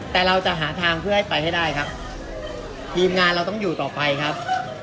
แต่เราจะหาทางเพื่อให้ไปให้ได้ครับทีมงานเราต้องอยู่ต่อไปครับ